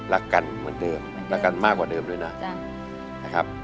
รักกันเหมือนเดิมรักกันมากกว่าเดิมด้วยนะนะครับ